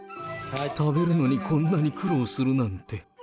食べるのにこんなに苦労するなんて。